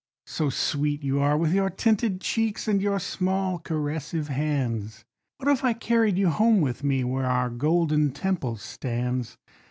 So sweet you are, with your tinted cheeks and your small caressive hands, What if I carried you home with me, where our Golden Temple stands?